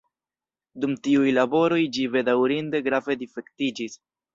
Dum tiuj laboroj ĝi bedaŭrinde grave difektiĝis.